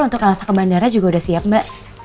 untuk elsa ke bandara juga udah siap mba